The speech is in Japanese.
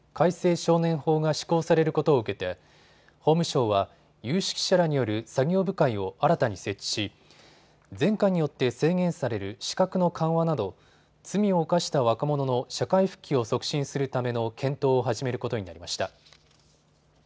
少年法が施行されることを受けて法務省は有識者らによる作業部会を新たに設置し前科によって制限される資格の緩和など罪を犯した若者の社会復帰を促進するための検討を始めることになりました。